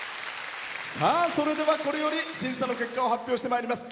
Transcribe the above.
それでは、これより審査の結果を発表してまいります。